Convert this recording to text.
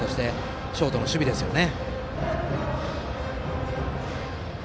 ショートの守備ですよね。